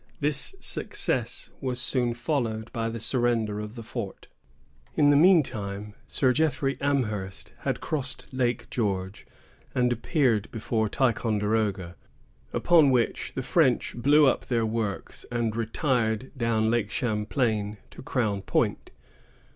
This success was soon followed by the surrender of the fort. In the mean time, Sir Jeffrey Amherst had crossed Lake George, and appeared before Ticonderoga; upon which the French blew up their works, and retired down Lake Champlain to Crown Point.